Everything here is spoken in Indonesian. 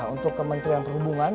untuk kementerian perhubungan